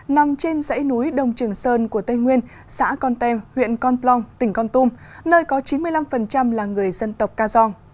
nằm trên dãy núi đông trường sơn của tây nguyên xã con tem huyện con plong tỉnh con tum nơi có chín mươi năm là người dân tộc ca giong